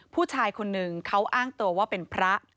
ผู้ชายคนหนึ่งเขาอ้างตัวว่าเป็นพระ